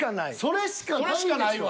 それしかないでしょ。